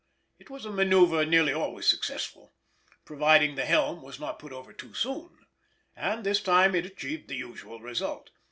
It was a manœuvre nearly always successful, provided the helm was not put over too soon, and this time it achieved the usual result.